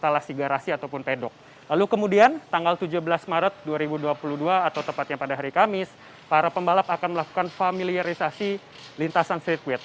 lalu kemudian tanggal tujuh belas maret dua ribu dua puluh dua atau tepatnya pada hari kamis para pembalap akan melakukan familiarisasi lintasan sirkuit